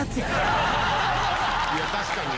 いや確かに。